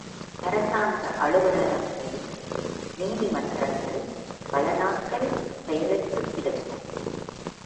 அரசாங்க அலுவலகங்கள், நீதிமன்றங்கள் பல நாட்கள் செயலற்றுக் கிடக்கும்.